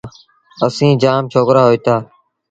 اسيٚݩ جآم ڇوڪرآ هوئيٚتآ۔